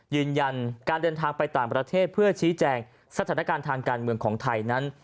ยืนยันการเดินทางไปต่างประเทศเพื่อชี้แจงสถานการณ์ทางการเมืองของไทยนั้น